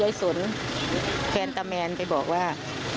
แหญ่สนแผนตามแมนไปบอกว่า